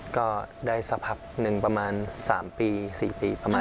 ก็ได้สักพักหนึ่งประมาณ๓ปี๔ปีประมาณ